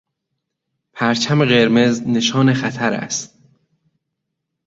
پرچم قرمز نشان خطر است.